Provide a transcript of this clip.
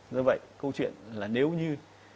do vậy câu chuyện là nếu như